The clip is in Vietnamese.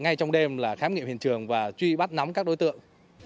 ngay trong đêm là khám nghiệm hiện trường và truy bắt nắm các đối tượng